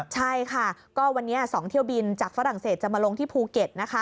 ใช่ค่ะก็วันนี้๒เที่ยวบินจากฝรั่งเศสจะมาลงที่ภูเก็ตนะคะ